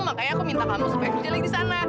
makanya aku minta kamu supaya kerja lagi di sana